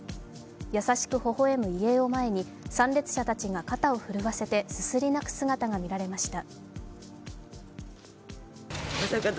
優しくほほ笑む遺影を前に参列者たちが肩をふるわせてすすり泣く姿が見られました。